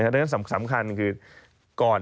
ดังนั้นสำคัญคือก่อน